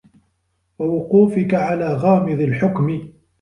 وَوُقُوفِك عَلَى غَامِضِ الْحُكْمِ